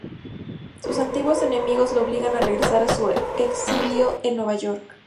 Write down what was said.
Sus antiguos enemigos, lo obligan a regresar a su exilio en Nueva York.